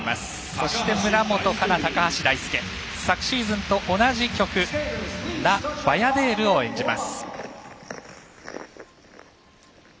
そして村元哉中、高橋大輔。昨シーズンと同じ曲「ラ・バヤデール」を演じます。